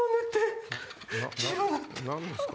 何ですか？